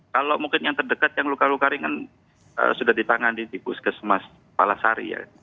kalau mungkin yang terdekat yang luka luka ringan sudah ditangani di puskesmas palasari ya